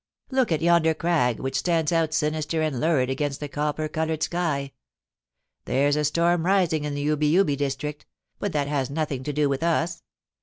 * Look at yonder crag which stands out sinister and lurid against the copper coloured sky. There's a storm rising in the Ubi Ubi district, but that has nothing to do with us.